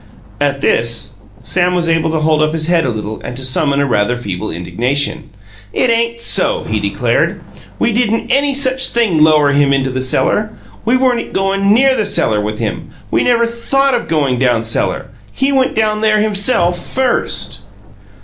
At this, Sam was able to hold up his head a little and to summon a rather feeble indignation. "It ain't so," he declared. "We didn't any such thing lower him into the cellar. We weren't goin' NEAR the cellar with him. We never THOUGHT of goin' down cellar. He went down there himself, first."